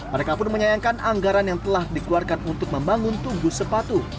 mereka pun menyayangkan anggaran yang telah dikeluarkan untuk membangun tubuh sepatu